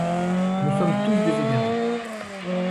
Nous sommes tous des égarés.